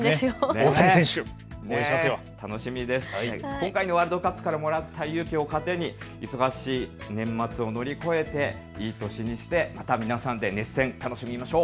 今回のワールドカップからもらった勇気を糧に忙しい年末を乗り越えていい年にして、また皆さんで熱戦楽しみましょう。